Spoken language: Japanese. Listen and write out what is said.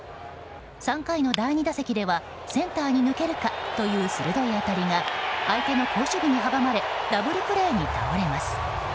３回の第２打席ではセンターに抜けるかという鋭い当たりが相手の好守備に阻まれダブルプレーに倒れます。